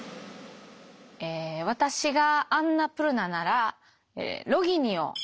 私がアンナプルナならロギニを選びます。